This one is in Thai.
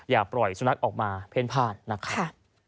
อย่าปล่อยสุนัขออกมาเพ่นพลาดนะครับ